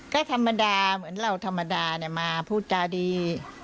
ก็ธรรมดาเหมือนเราธรรมดามาพูดจาดี